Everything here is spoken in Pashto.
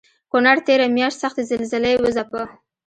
کونړ تېره مياشت سختې زلزلې وځپه